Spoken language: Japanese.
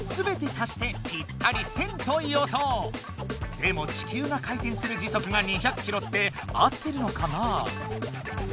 でも地球が回転する時速が２００キロって合ってるのかな？